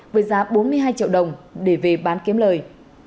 với giá bốn mươi hai triệu đồng để về bán kiếm lời